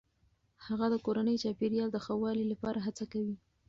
هغه د کورني چاپیریال د ښه والي لپاره هڅه کوي.